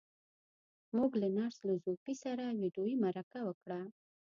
موږ له نرس لو ځو پي سره ويډيويي مرکه وکړه.